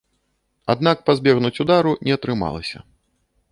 Аднак пазбегнуць удару не атрымалася.